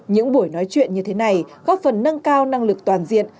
những buổi nói chuyện như thế này góp phần nâng cao năng lực toàn diện